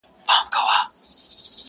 د چڼچڼيو او د زرکو پرځای،